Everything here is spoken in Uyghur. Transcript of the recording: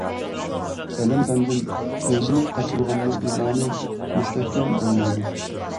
ئىلىم-پەندىن ئۆزىنى قاچۇرغاننىڭ ئىمانى مۇستەھكەم بولمايدۇ.